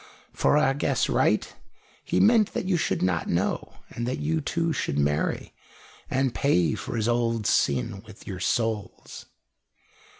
For if I guess right, he meant that you should not know, and that you two should marry, and pay for his old sin with your souls."